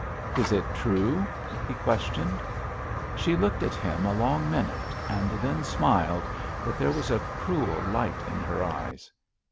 "Is it true?" he questioned. She looked at him a long minute, and then smiled, but there was a cruel light in her eyes.